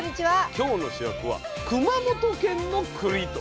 今日の主役は「熊本県のくり」と。